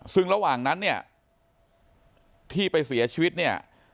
ซึ่งระหว่างนั้นเนี่ยที่ไปเสียชีวิตเนี่ย